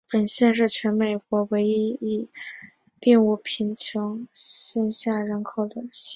本县是全美国唯一并无贫穷线下人口的县。